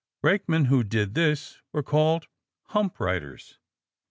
Brakemen who did this were called hump riders.